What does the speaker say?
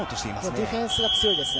ディフェンスが強いですね。